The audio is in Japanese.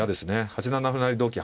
８七歩成同金